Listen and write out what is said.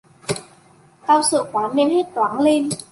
Tao sợ quá nên là hét toáng lên